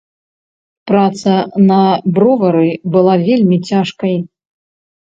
Праца на бровары была вельмі цяжкай.